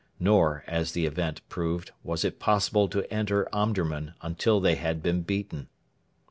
Nor, as the event proved, was it possible to enter Omdurman until they had been beaten.